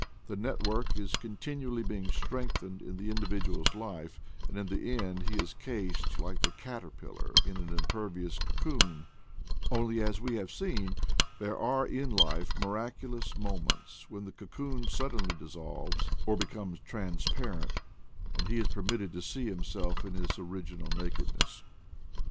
The network is continually being strengthened in the individual's life, and, in the end he is cased, like the caterpillar, in an impervious cocoon; only, THE PLAINS OF PATAGONIA 215 as we have seen, there are in life miraculous mo ments when the cocoon suddenly dissolves, or be comes transparent, and he is permitted to see him self in his original nakedness.